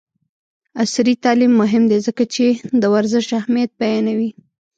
عصري تعلیم مهم دی ځکه چې د ورزش اهمیت بیانوي.